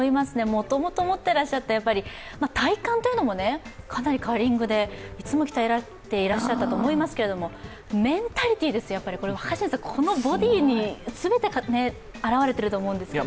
もともと持ってらっしゃった体幹というのもカーリングでいつも鍛えてらっしゃったと思いますけどメンタリティですよ、このボディに全てが表れてると思うんですけど。